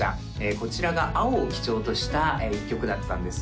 こちらが青を基調とした１曲だったんです